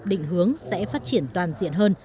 định hướng sẽ phát triển toàn diện hơn